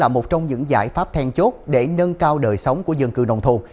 đây cũng là một trong những giải pháp thèn chốt để nâng cao đời sống của dân cư nông thôn